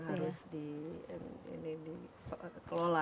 ya kalau diperlukan